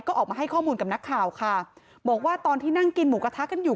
ก็ออกมาให้ข้อมูลกับนักข่าวค่ะบอกว่าตอนที่นั่งกินหมูกระทะกันอยู่